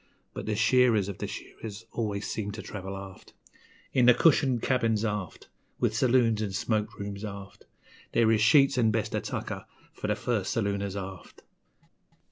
But the shearers of the shearers always seem to travel aft; In the cushioned cabins, aft, With saloons 'n' smoke rooms, aft There is sheets 'n' best of tucker for the first salooners, aft.